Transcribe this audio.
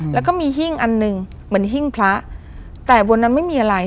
แล้วก็มีหิ้งอันหนึ่งเหมือนหิ้งพระแต่บนนั้นไม่มีอะไร